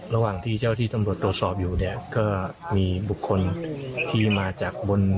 ระหว่างที่เจ้าที่ตำรวจตรวจสอบอยู่เนี่ยก็มีบุคคลที่มาจากบน